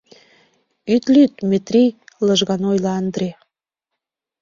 — Ит лӱд, Метрий, — лыжган ойла Ондре.